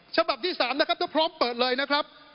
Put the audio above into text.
ฉบับที่๓นะครับถ้าพร้อมเปิดเลยนะครับ